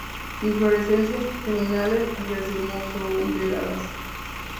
Inflorescencias terminales racemoso-umbeladas.